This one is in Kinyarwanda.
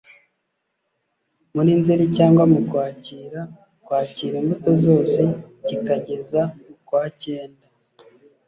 muri Nzeri cyangwa mu Kwakira kwakira imbuto zose kikageza mukwakenda